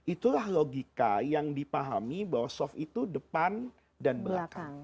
itulah logika yang dipahami bahwa soft itu depan dan belakang